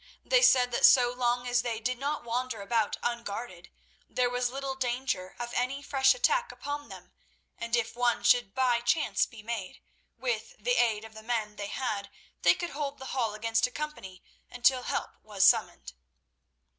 They said that so long as they did not wander about unguarded, there was little danger of any fresh attack upon them, and if one should by chance be made, with the aid of the men they had they could hold the Hall against a company until help was summoned.